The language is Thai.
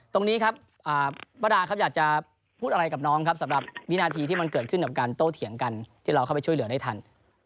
ตรงนี้ครับป้าดาครับอยากจะพูดอะไรกับน้องครับสำหรับวินาทีที่มันเกิดขึ้นกับการโต้เถียงกันที่เราเข้าไปช่วยเหลือได้ทัน